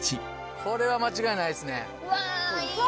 これは間違いないっすねうわー